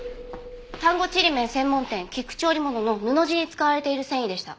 丹後ちりめん専門店菊池織物の布地に使われている繊維でした。